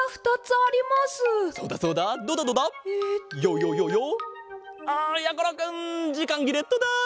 あやころくんじかんぎれットだ！